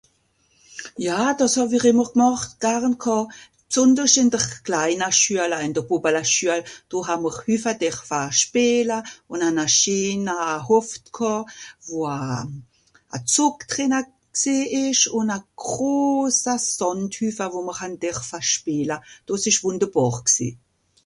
Ja, dàs hàw-ich ìmmer gmocht garn ghàà, bsùndersch ìn dr kleina Schüala, ìn de Bùbbalaschüal. Do haa'mr hüffa derfa spìela, ùn han a scheena Hoft ghàà, wo a... a Zùgtrenna gsìì ìsch ùn a grosa Sàndhüffa, wo mr han derfa spìela. Dàs ìsch wùnderbàr gsìì.